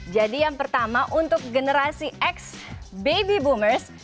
jadi yang pertama untuk generasi x baby boomers